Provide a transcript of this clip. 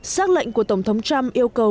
xác lệnh của tổng thống trump yêu cầu